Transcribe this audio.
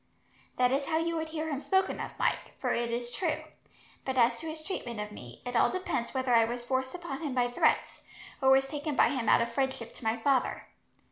"That is how you would hear him spoken of, Mike, for it is true; but as to his treatment of me, it all depends whether I was forced upon him by threats, or was taken by him out of friendship to my father.